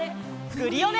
クリオネ！